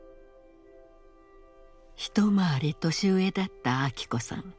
一回り年上だった昭子さん。